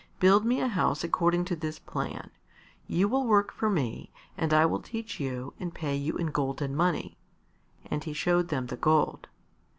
Build me a house according to this plan. You will work for me and I will teach you and pay you in golden money." And he showed them the gold.